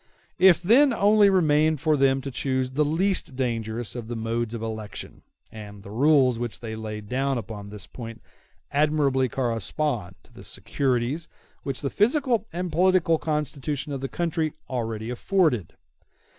It then only remained for them to choose the least dangerous of the various modes of election; and the rules which they laid down upon this point admirably correspond to the securities which the physical and political constitution of the country already afforded.